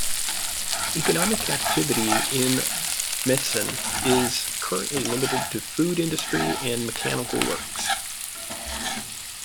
Economic activity in Mezen is currently limited to food industry and mechanical works.